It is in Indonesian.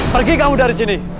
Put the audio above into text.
pergi kamu dari sini